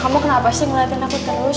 kamu kenapa sih ngeliatin aku terus